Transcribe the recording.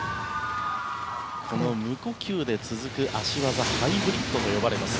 無呼吸で続く脚技ハイブリッドと呼ばれます。